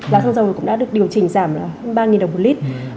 giá xăng dầu cũng đã được điều chỉnh giảm ba đồng một lít